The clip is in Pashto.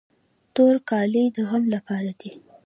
تور کالي د غم لپاره دي.